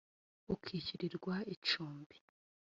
ukishyurirwa icumbi